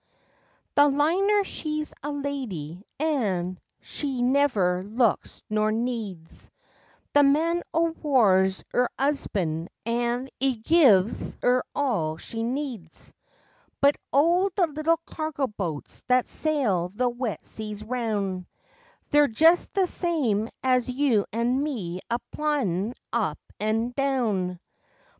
The Liner she's a lady, an' she never looks nor 'eeds The Man o' War's 'er 'usband, an' 'e gives 'er all she needs; But, oh, the little cargo boats, that sail the wet seas roun', They're just the same as you an' me a plyin' up an' down!